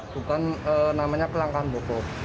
bukan namanya kelangkaan pupuk